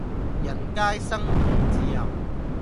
人皆生而自由